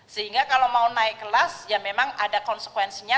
sehingga kalau mau naik kelas ya memang ada konsekuensinya